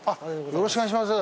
よろしくお願いします。